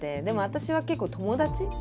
でも私は結構友達？